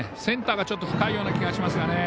センターが深いような気がしますが。